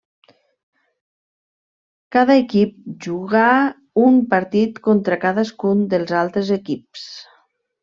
Cada equip jugà un partit contra cadascun dels altres equips.